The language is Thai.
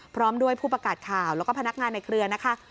พร้อมด้วยผู้ประกาศข่าวแล้วก็พนักงานในเครือนะคะ